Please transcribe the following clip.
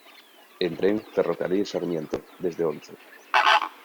En tren: Ferrocarril Sarmiento, desde Once.